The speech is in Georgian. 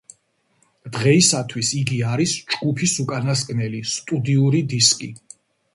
დღეისათვის იგი არის ჯგუფის უკანასკნელი სტუდიური დისკი.